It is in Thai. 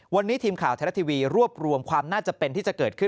วันนี้ทีมข่าวไทยรัฐทีวีรวบรวมความน่าจะเป็นที่จะเกิดขึ้น